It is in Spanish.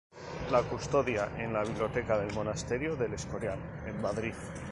Se custodia en la biblioteca del Monasterio del Escorial en Madrid.